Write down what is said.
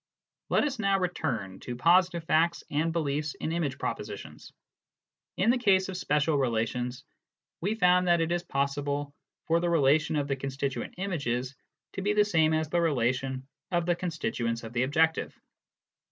Let us now return to positive facts and beliefs in image propositions. In the case of spatial relations, we found that it is possible for the relation of the constituent images to be the same as the relation of the constituents of the objective.